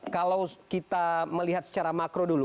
kalau kita melihat secara makro dulu